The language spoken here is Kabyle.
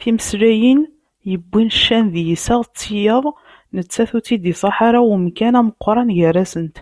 Timeslayin yewwin ccan d yiseɣ d tiyaḍ, nettat ur tt-id-iṣṣaḥ ara umkan ameqqran gar-asent.